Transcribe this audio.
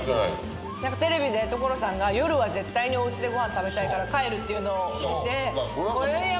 テレビで所さんが夜は絶対におうちでご飯食べたいから帰るっていうのを見て。